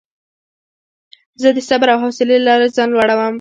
زه د صبر او حوصلې له لارې ځان لوړوم.